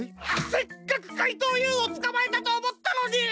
せっかくかいとうＵをつかまえたとおもったのに！